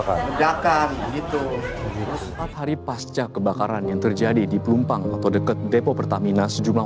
kejakan gitu hari pasca kebakaran yang terjadi di pelumpang atau deket depo pertamina sejumlah